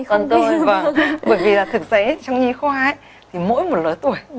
bởi vì thực xế trong nhi khoa thì mỗi một lứa tuổi